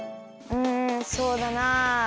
うんそうだなあ。